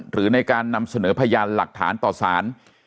หรือในการนำเสนอพยานหลักฐานต่อสาร